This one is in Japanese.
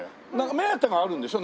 目当てがあるんでしょ？